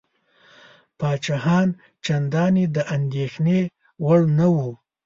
پاچاهان چنداني د اندېښنې وړ نه وه.